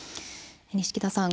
錦田さん